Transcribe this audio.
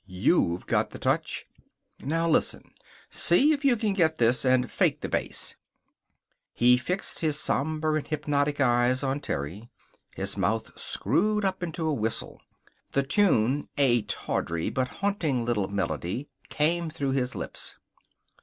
You've got the touch. Now listen. See if you can get this, and fake the bass." He fixed his somber and hypnotic eyes on Terry. His mouth screwed up into a whistle. The tune a tawdry but haunting little melody came through his lips.